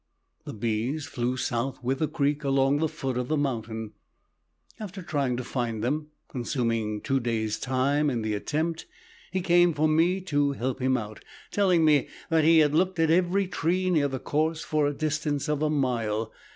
The bees flew south with the creek along the foot of the mountain. After trying to find them, (consuming two days' time in the attempt), he came for me to help him out, telling me that he had looked at every tree near the course for a distance of a mile.